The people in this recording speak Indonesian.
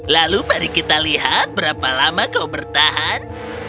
lalu mari kita lihat berapa lama kau bertahan